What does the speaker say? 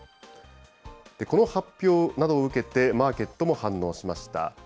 この発表などを受けて、マーケットも反応しました。